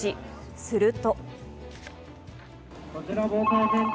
すると。